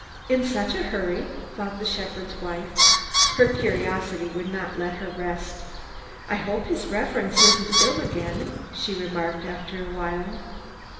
"In such a hurry?" thought the shepherd's wife. Her curiosity would not let her rest. "I hope His Reverence isn't ill again," she remarked after a while.